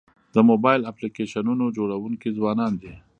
د موبایل اپلیکیشنونو جوړونکي ځوانان دي.